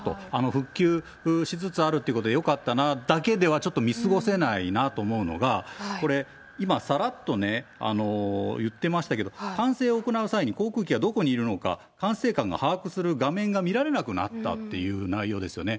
復旧しつつあるということはよかったなだけでは、ちょっと見過ごせないなと思うのが、これ、今、さらっとね、言ってましたけど、管制を行う際に、航空機がどこにいるのか、管制官が把握する画面が見られなくなったっていう内容ですよね。